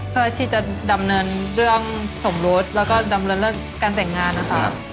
เพื่อที่จะดำเนินเรื่องสมรสแล้วก็ดำเนินเรื่องการแต่งงานนะคะ